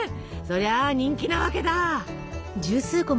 そりゃ人気なわけだ。